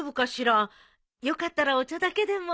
よかったらお茶だけでも。